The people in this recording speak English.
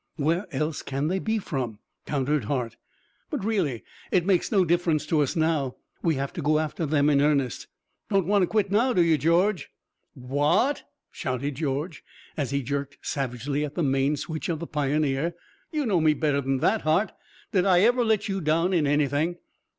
"Where else can they be from?" countered Hart. "But, really it makes no difference to us now. We have to go after them in earnest. Don't want to quit, do you, George?" "Wha a at?" shouted George, as he jerked savagely at the main switch of the Pioneer. "You know me better than that, Hart. Did I ever let you down in anything?"